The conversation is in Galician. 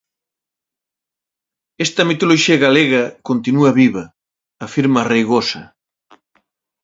Esta mitoloxía galega "continúa viva", afirma Reigosa.